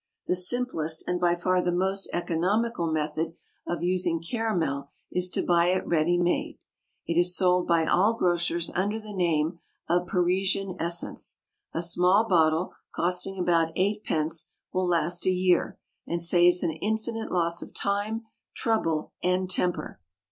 The simplest and by far the most economical method of using caramel is to buy it ready made. It is sold by all grocers under the name of Parisian Essence. A small bottle, costing about eightpence, will last a year, and saves an infinite loss of time, trouble, and temper.